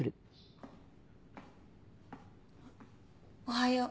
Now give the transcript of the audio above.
おはよう。